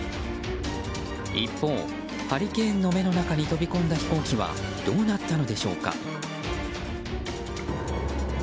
一方、ハリケーンの目の中に飛び込んだ飛行機はどうなったのでしょうか。